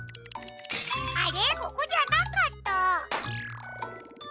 あれここじゃなかった。